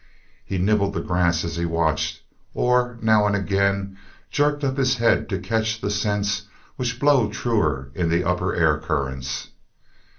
He nibbled the grass as he watched, or now and again jerked up his head to catch the scents which blow truer in the upper air currents.